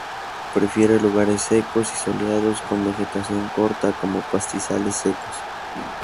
Prefiere lugares secos y soleados con vegetación corta, como pastizales secos.